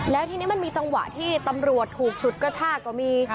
แล้วทีนี้มันมีจังหวะที่ตำรวจถูกฉุดกระชากก็มี